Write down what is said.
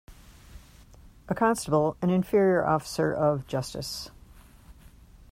A constable an inferior officer of justice.